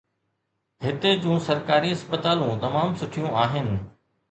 هتي جون سرڪاري اسپتالون تمام سٺيون آهن.